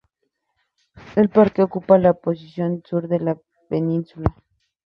El parque ocupa la porción sur de la península.